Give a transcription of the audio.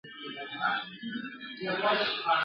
مسافر ته سوه پیدا په زړه کي تمه ..